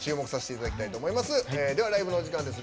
ライブのお時間です。